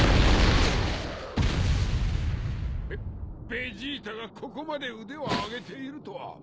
ベベジータがここまで腕を上げているとは。